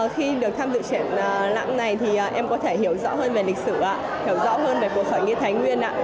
khi được tham dự triển lãm này thì em có thể hiểu rõ hơn về lịch sử và hiểu rõ hơn về cuộc khởi nghĩa thái nguyên ạ